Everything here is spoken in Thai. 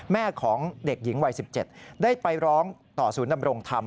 แม่ของเด็กหญิงวัย๑๗ได้ไปร้องต่อศูนย์ดำรงธรรม